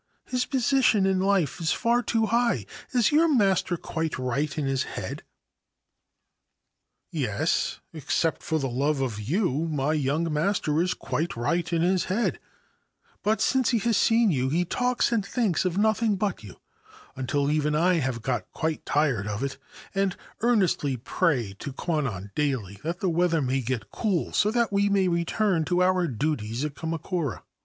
His position in life is far too high. Is your master quite right in his head ?' 1 Yes : except for the love of you, my young master is Ancient Tales and Folklore of Japan quite right in his head ; but since he has seen you he talks and thinks of nothing but you, until even I have got quite tired of it, and earnestly pray to Kwannon daily that the weather may get cool, so that we may return to our duties at Kamakura.